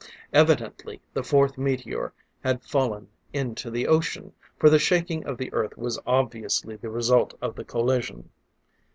Evidently the fourth meteor had fallen into the ocean, for the shaking of the Earth was obviously the result of the collision.